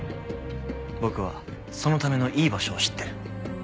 僕はそのためのいい場所を知ってる。